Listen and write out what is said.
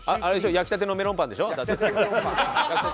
焼きたてのメロンパンでしょ？